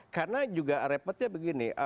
karena juga repotnya begini